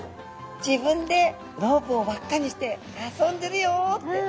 自分でロープを輪っかにして遊んでるよって。